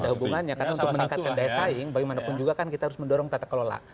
ada hubungannya karena untuk meningkatkan daya saing bagaimanapun juga kan kita harus mendorong tata kelola